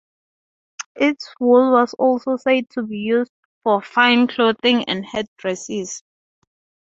Its wool was also said to be used for fine clothing and headdresses.